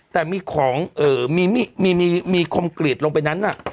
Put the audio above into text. แต่มีของมีคมกรีดลงไปนั้น